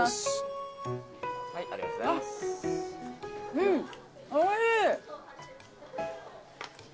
うんおいしい。